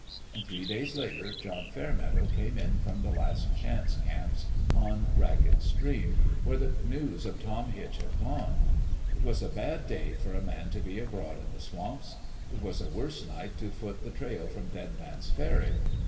And three days later John Fairmeadow came in from the Last Chance camps on Ragged Stream, where the news of Tom Hitch had gone. It was a bad day for a man to be abroad in the swamps. It was a worse night to foot the trail from Dead Man's ferry.